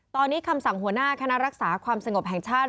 ตอนนี้คำสั่งหัวหน้าคณะรักษาความสงบแห่งชาติ